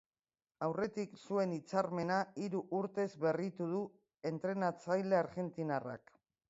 Aurretik zuen hitzarmena hiru urtez berritu du entrenatzaile argentinarrak.